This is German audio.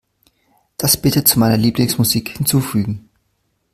Das bitte zu meiner Lieblingsmusik hinzufügen.